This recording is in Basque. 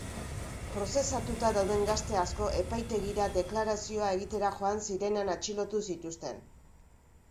Prozesatuta dauden gazte asko epaitegira deklarazioa egitera joan zirenean atxilotu zituzten.